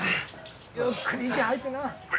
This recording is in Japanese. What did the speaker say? ゆっくり息吐いてな。